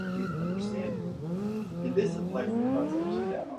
I thought: "This is too hard," so we made a meal out of it.